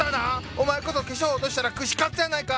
お前こそ化粧落としたら串カツやないか！